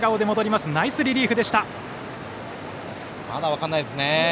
まだ分からないですね。